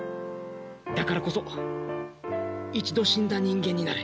だからこそ一度死んだ人間になれ。